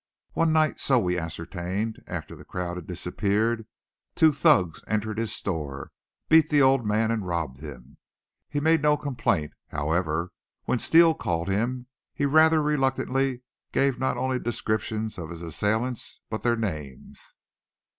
One night, so we ascertained, after the crowd had dispersed, two thugs entered his store, beat the old man and robbed him. He made no complaint; however, when Steele called him he rather reluctantly gave not only descriptions of his assailants, but their names.